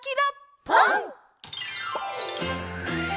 「ぽん」！